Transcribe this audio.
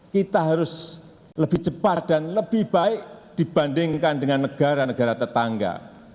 kita harus lebih cepat dan lebih baik dibandingkan dengan negara negara tetangga